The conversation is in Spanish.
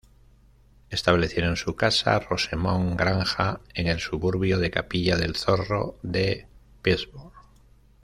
Establecieron su casa, Rosemont Granja, en el suburbio de Capilla del Zorro de Pittsburgh.